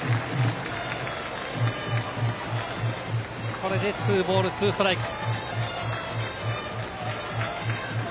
これで２ボール２ストライク。